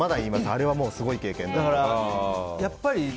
あれはすごい経験だったって。